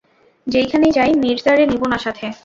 যেইখানেই যাই, মির্জারে নিবো না সাথে।